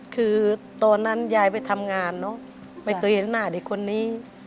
คือตอนนั้นยายไปทำงานเนอะไม่เคยเห็นหน้าเด็กคนนี้